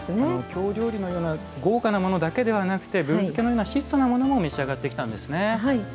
京料理のような豪華なものだけでなくてぶぶ漬けのような質素なものも召し上がってきたんですね。